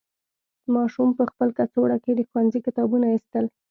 ماشوم په خپل کڅوړه کې د ښوونځي کتابونه ایستل.